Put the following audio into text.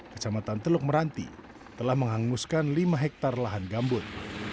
kecamatan teluk meranti telah menghanguskan lima hektare lahan gambut